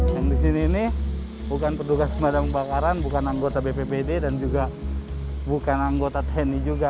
yang disini ini bukan pedugas madang bakaran bukan anggota bppd dan juga bukan anggota tni juga